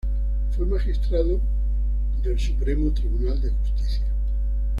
Fue magistrado del Supremo Tribunal de Justicia.